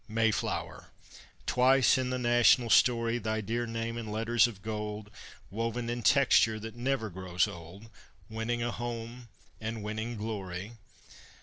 Mayflower! Twice in the national story Thy dear name in letters of gold Woven in texture that never grows old Winning a home and winning glory!